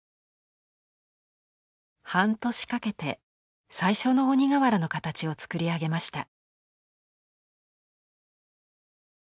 半年かけて最初の鬼瓦の形をつくり上げました。